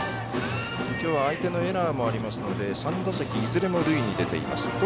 きょうは相手のエラーもありますので３打席いずれも塁に出ています。